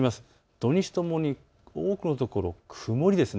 土日ともに多くの所、曇りです。